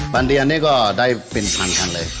วันเดือนนี้ก็ได้เป็นพันกันเลย